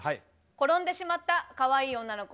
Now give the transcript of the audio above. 「転んでしまったかわいい女の子」。